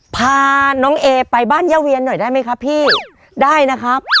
พาน้องเอไปบ้านย่าเวียนหน่อยได้ไหมครับพี่ได้นะครับ